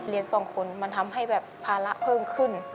สองคนมันทำให้แบบภาระเพิ่มขึ้น